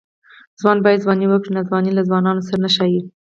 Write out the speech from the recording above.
ځوان باید ځواني وکړي؛ ناځواني له ځوانانو سره نه ښايي.